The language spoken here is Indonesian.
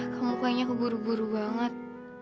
kamu kayaknya keburu buru banget